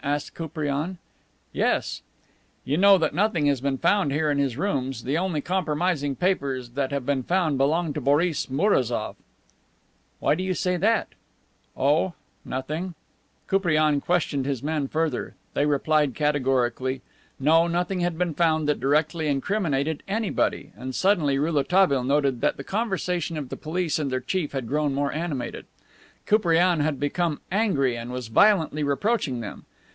asked Koupriane. "Yes." "You know that nothing has been found here in his rooms. The only compromising papers that have been found belong to Boris Mourazoff." "Why do you say that?" "Oh nothing." Koupriane questioned his men further. They replied categorically. No, nothing had been found that directly incriminated anybody; and suddenly Rouletabille noted that the conversation of the police and their chief had grown more animated. Koupriane had become angry and was violently reproaching them.